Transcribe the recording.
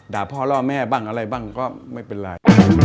พ่อล่อแม่บ้างอะไรบ้างก็ไม่เป็นไร